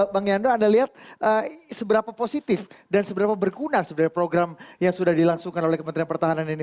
bang yando anda lihat seberapa positif dan seberapa berguna sebenarnya program yang sudah dilangsungkan oleh kementerian pertahanan ini